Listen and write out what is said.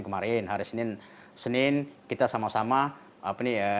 kemarin hari senin senin kita sama sama apa nih ya